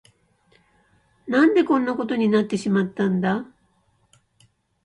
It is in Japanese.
何でこんなことになってしまったんだ。